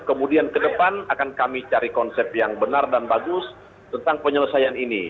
kemudian ke depan akan kami cari konsep yang benar dan bagus tentang penyelesaian ini